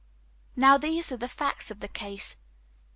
Now these are the facts of the case.